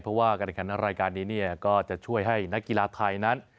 เพราะว่ากระดังนั้นรายการนี้ก็จะช่วยให้นักกีฬาท์ไทยนั้น